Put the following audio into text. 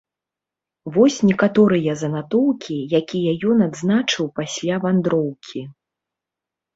Вось некаторыя занатоўкі, якія ён адзначыў пасля вандроўкі.